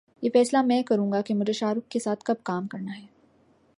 یہ فیصلہ میں کروں گی کہ مجھے شاہ رخ کے ساتھ کب کام کرنا ہے